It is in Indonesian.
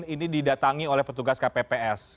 ini didatangi oleh petugas kpps